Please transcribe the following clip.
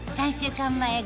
３週間前